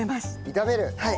炒める。